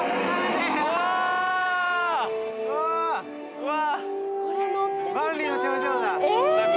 うわ。